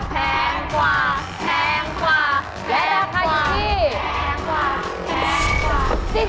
และราคาอยู่ที่